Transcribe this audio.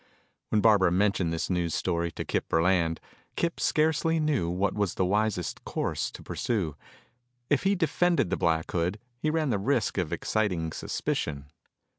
When Barbara mentioned this news story to Kip Burland, Kip scarcely knew what was the wisest course to pursue. If he defended the Black Hood he ran the risk of exciting suspicion.